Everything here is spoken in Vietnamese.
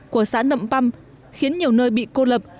của xã nậm păm khiến nhiều nơi bị cô lập